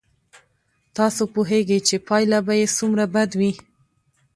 تاسو پوهېږئ چې پایله به یې څومره بد وي.